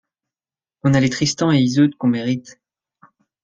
On a les Tristan et Yseult qu'on mérite.